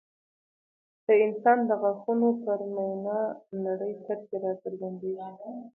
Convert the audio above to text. د انسان د غاښونو پر مینا نرۍ کرښې راڅرګندېږي.